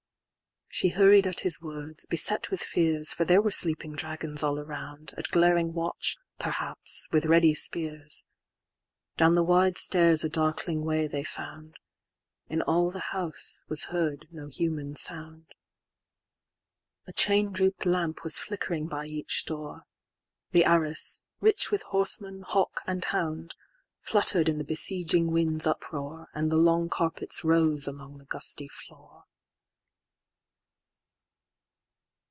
XL.She hurried at his words, beset with fears, For there were sleeping dragons all around, At glaring watch, perhaps, with ready spears—Down the wide stairs a darkling way they found.—In all the house was heard no human sound.A chain droop'd lamp was flickering by each door; The arras, rich with horseman, hawk, and hound, Flutter'd in the besieging wind's uproar; And the long carpets rose along the gusty floor.